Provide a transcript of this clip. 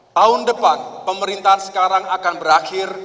tahun depan pemerintahan sekarang akan berakhir